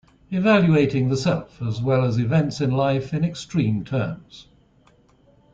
Evaluating the self, as well as events in life in extreme terms.